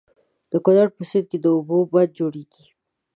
د کنړ په سيند د اوبو بند جوړيږي.